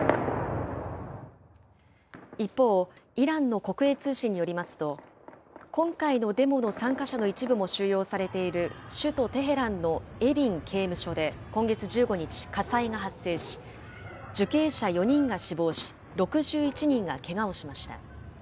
一方、イランの国営通信によりますと、今回のデモの参加者の一部も収容されている首都テヘランのエビン刑務所で今月１５日、火災が発生し、受刑者４人が死亡し、６１人がけがをしました。